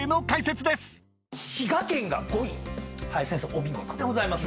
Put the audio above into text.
お見事でございます。